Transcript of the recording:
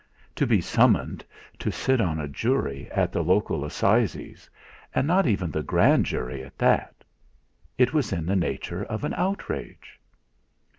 To be summoned to sit on a jury at the local assizes, and not even the grand jury at that! It was in the nature of an outrage.